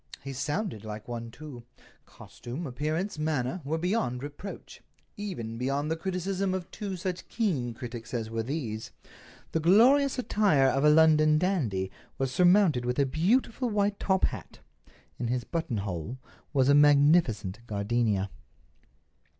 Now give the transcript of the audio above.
He sounded like one, too. Costume, appearance, manner, were beyond reproach—even beyond the criticism of two such keen critics as were these. The glorious attire of a London dandy was surmounted with a beautiful white top hat. In his buttonhole was a magnificent gardenia.